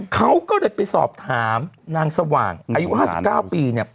เขาก็เลยไปสอบถามนางสว่างอายุ๕๙ปีเนี่ย